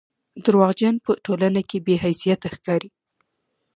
درواغجن په ټولنه کښي بې حيثيته ښکاري